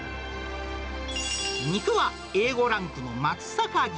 肉はＡ５ランクの松阪牛。